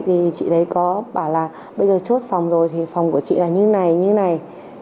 thì chị đấy có bảo là bây giờ chốt phòng rồi thì phòng của chị là như thế này như thế này